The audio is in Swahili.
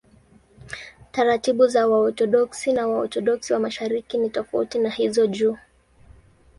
Taratibu za Waorthodoksi na Waorthodoksi wa Mashariki ni tofauti na hizo juu.